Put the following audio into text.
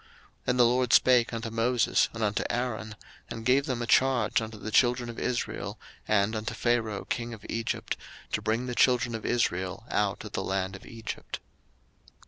02:006:013 And the LORD spake unto Moses and unto Aaron, and gave them a charge unto the children of Israel, and unto Pharaoh king of Egypt, to bring the children of Israel out of the land of Egypt.